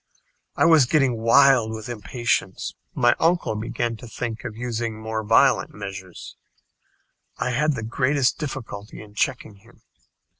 I was getting wild with impatience. My uncle began to think of using more violent measures. I had the greatest difficulty in checking him.